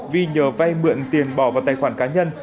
vi nhờ vay mượn tiền bỏ vào tài khoản cá nhân